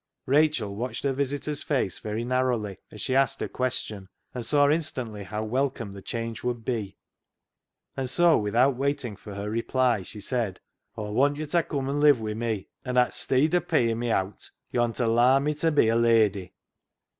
Rachel watched her visitor's face very nar rowly as she asked her question, and saw in stantly how welcome the change would be ; and so without waiting for her reply she said —" Aw want yo' ta cum an' live wi' me, an' atsteead o' payin' me owt, yo'n ta larn me ta be a lady."